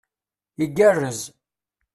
Igerrez